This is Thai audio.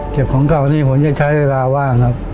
ของเก่านี่ผมจะใช้เวลาว่างครับ